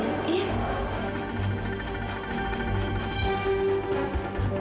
ini kayaknya gak enam tahun nih